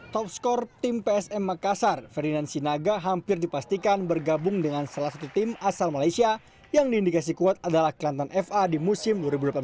top skor tim psm makassar ferdinand sinaga hampir dipastikan bergabung dengan salah satu tim asal malaysia yang diindikasi kuat adalah kelantan fa di musim dua ribu delapan belas